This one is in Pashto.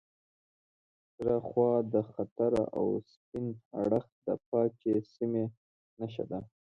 سره خوا د خطر او سپین اړخ د پاکې سیمې نښه ده.